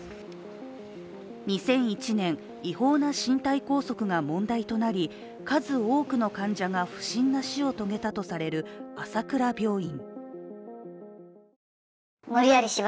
２００１年、違法な身体拘束が問題となり数多くの患者が不審な死を遂げたとされる朝倉病院。